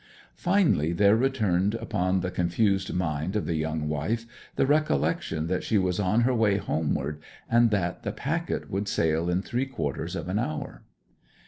Finally, there returned upon the confused mind of the young wife the recollection that she was on her way homeward, and that the packet would sail in three quarters of an hour.